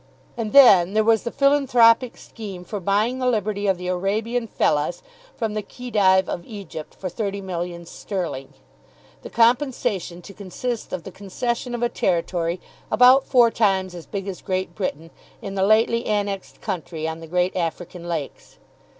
And then there was the philanthropic scheme for buying the liberty of the Arabian fellahs from the Khedive of Egypt for thirty millions sterling, the compensation to consist of the concession of a territory about four times as big as Great Britain in the lately annexed country on the great African lakes.